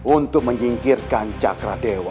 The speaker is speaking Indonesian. untuk menyingkirkan sakaradewa